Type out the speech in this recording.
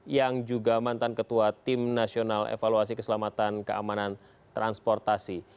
yang juga mantan ketua tim nasional evaluasi keselamatan keamanan transportasi